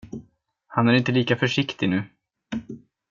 Han är inte lika försiktig nu.